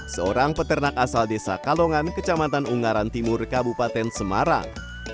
seorang peternak asal desa kalongan kecamatan ungaran timur kabupaten semarang